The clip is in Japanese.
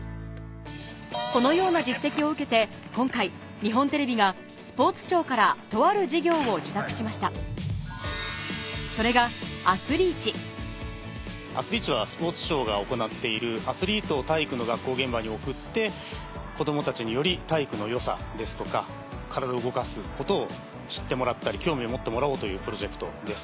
このような実績を受けて今回日本テレビがスポーツ庁からとある事業を受託しましたそれがアスリーチはスポーツ庁が行っているアスリートを体育の学校現場に送って子供たちにより体育の良さですとか体動かすことを知ってもらったり興味を持ってもらおうというプロジェクトです。